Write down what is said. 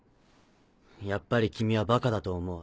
やっぱり君はバカだと思う。